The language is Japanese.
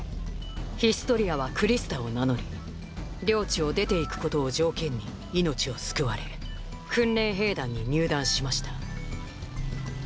ヒストリアはクリスタを名乗り領地を出ていくことを条件に命を救われ訓練兵団に入団しました